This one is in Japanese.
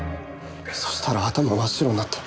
そしたら頭真っ白になって。